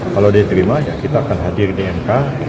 kalau dia terima ya kita akan hadir di mk